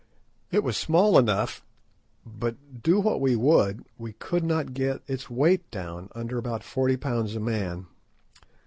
It was small enough, but do what we would we could not get its weight down under about forty pounds a man.